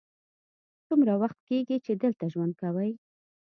څومره وخت کیږی چې دلته ژوند کوې؟